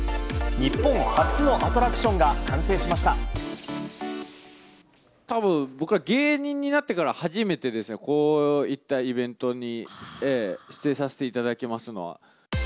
日本初のアトラクションが完たぶん、僕ら芸人になってから初めてですね、こういったイベントに出演させていただきますのは。